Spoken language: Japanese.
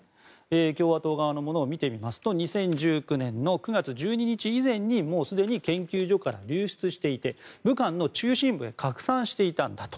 共和党側のものを見てみますと２０１９年の９月１２日以前にすでに研究所から流出していて武漢の中心部で拡散していたんだと。